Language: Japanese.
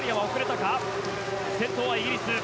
先頭はイギリス。